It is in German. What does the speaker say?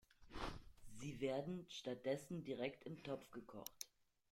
Sie werden stattdessen direkt im Topf gekocht.